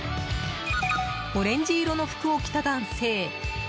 オレンジ色の服を着た男性。